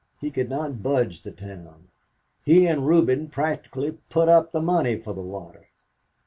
He could not budge the town. He and Reuben practically put up the money for the water.